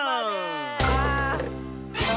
あ。